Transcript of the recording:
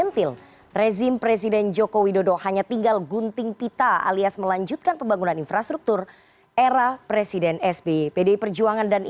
terima kasih juga tenaga ahli utama ksp ade irfan pulungan